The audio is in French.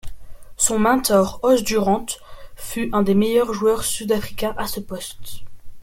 Son mentor, Os du Randt, fut un des meilleurs joueurs sud-africains à ce poste.